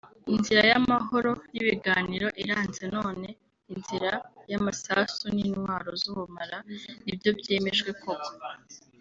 Inzira y’amahoro nibiganiro iranze none inzira y’amasasu n’intwaro z’ubumara nibyo byemejwe koko